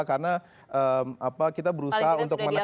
karena kita berusaha untuk menekan